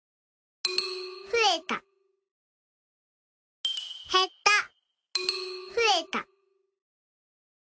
ふえた。